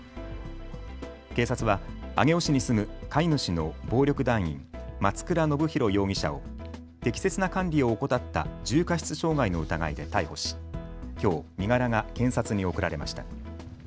警察は上尾市に住む飼い主の暴力団員、松倉信弘容疑者を適切な管理を怠った重過失傷害の疑いで逮捕しきょう身柄が検察に送られました。